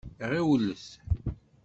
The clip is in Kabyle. Ɣiwlet.